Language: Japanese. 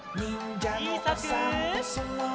ちいさく。